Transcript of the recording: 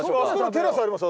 テラスありますよ